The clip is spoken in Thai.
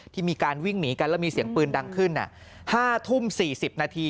ที่มีการวิ่งหนีกันแล้วมีเสียงปืนดังขึ้น๕ทุ่ม๔๐นาที